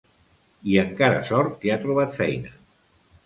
I encara sort que ha trobat feina!